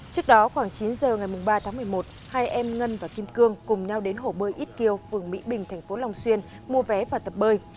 trước đó khoảng chín giờ ngày ba tháng một mươi một hai em ngân và kim cương cùng nhau đến hổ bơi ít kiều vườn mỹ bình tp long xuyên mua vé và tập bơi